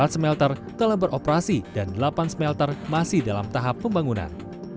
empat smelter telah beroperasi dan delapan smelter masih dalam tahap pembangunan